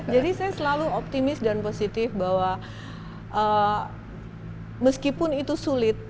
jadi saya selalu optimis dan positif bahwa meskipun itu sulit